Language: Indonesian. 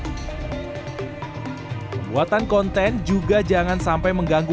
pembuatan konten juga jangan sampai mengganggu